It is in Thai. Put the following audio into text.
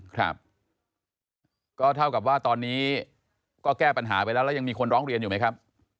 ครับก็เท่ากับว่าตอนนี้ก็แก้ปัญหาไปแล้วแล้วยังมีคนร้องเรียนอยู่ไหมครับ